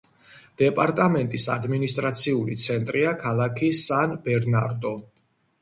დეპარტამენტის ადმინისტრაციული ცენტრია ქალაქი სან-ბერნარდო.